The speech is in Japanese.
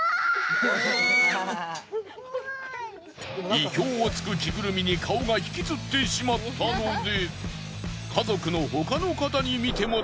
意表を突く着ぐるみに顔がひきつってしまったので。